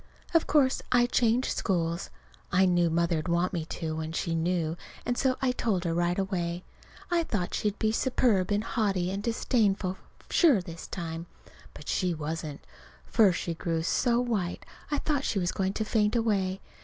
Of course I changed schools. I knew Mother'd want me to, when she knew, and so I told her right away. I thought she'd be superb and haughty and disdainful sure this time. But she wasn't. First she grew so white I thought she was going to faint away.